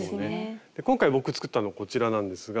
今回僕作ったのこちらなんですが。